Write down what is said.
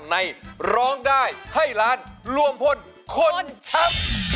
ในร้องได้ให้ล้านรวมพลคนชัก